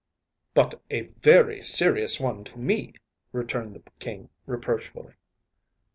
“But a very serious one to me,‚ÄĚ returned the King reproachfully.